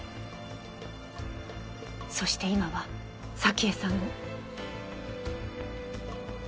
そして今は沙希江さんも。